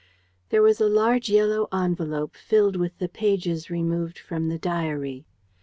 There was a large, yellow envelope filled with the pages removed from the diary.